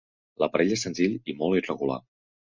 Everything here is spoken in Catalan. L'aparell és senzill i molt irregular.